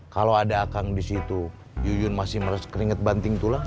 kalau ada akang di situ yuyun masih merasa keringet banting tulang